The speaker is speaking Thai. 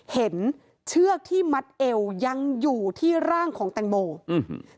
เชือกที่มัดเอวยังอยู่ที่ร่างของแตงโมอืม